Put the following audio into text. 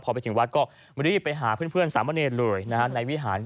พอไปถึงวัดก็รีบไปหาเพื่อนสามเณรเลยนะฮะในวิหาร